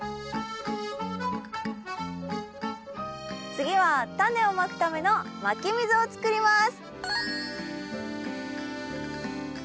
次はタネをまくためのまき溝をつくります。